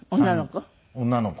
女の子？